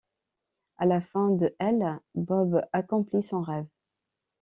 À la fin de l', Bob accomplit son rêve.